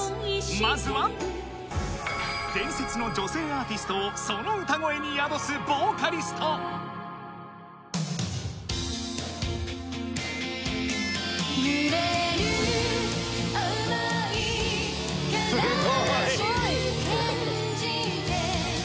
まずは伝説の女性アーティストをその歌声に宿すボーカリストえ⁉